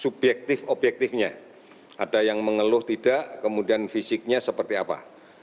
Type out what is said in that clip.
subjektif objektifnya ada yang mengeluh tidak kemudian fisiknya seperti apa